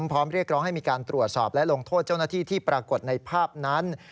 พร้อมเรียกร้องให้มีการตรวจสอบและลงโทษเจ้าหน้าที่ที่ปรากฏในภาพนั้น